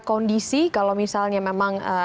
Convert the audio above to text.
kondisi kalau misalnya memang